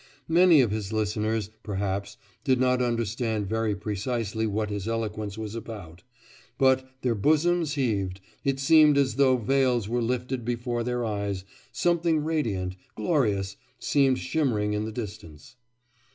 Many of his listeners, perhaps, did not understand very precisely what his eloquence was about; but their bosoms heaved, it seemed as though veils were lifted before their eyes, something radiant, glorious, seemed shimmering in the distance.